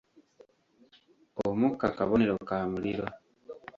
Omukka kabonero ka muliro.